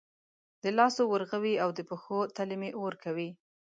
د لاسو ورغوي او د پښو تلې مې اور کوي